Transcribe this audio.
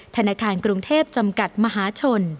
ธนาคารกรุงเทพจำกัดมหาชน